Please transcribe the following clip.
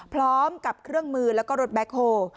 พร้อมกับเครื่องมือแล้วก็รถแบ็คโฮล